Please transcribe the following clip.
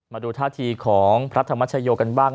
มาดูท่าทีของพระธรรมชโยกันบ้าง